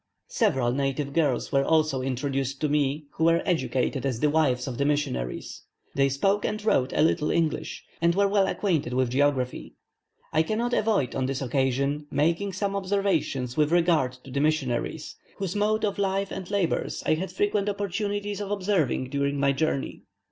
Several native girls were also introduced to me who were educated by the wives of the missionaries. They spoke and wrote a little English, and were well acquainted with geography. I cannot avoid, on this occasion, making some observations with regard to the missionaries, whose mode of life and labours I had frequent opportunities of observing during my journey.